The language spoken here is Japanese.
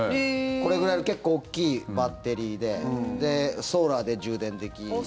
これぐらいの結構大きいバッテリーでソーラーで充電できて。